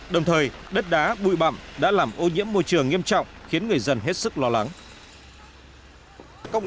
đồng thời đất đá bụi bậm đã làm ô nhiễm môi trường nghiêm trọng khiến người dân hết sức lo lắng